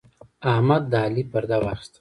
احمد د علي پرده واخيسته.